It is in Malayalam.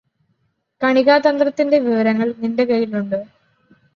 കണികാതന്ത്രത്തിന്റെ വിവരങ്ങള് നിന്റെ കയ്യിലുണ്ടോ